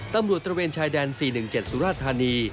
ตำรวจตระเวนชายแดน๔๑๗สุราธานี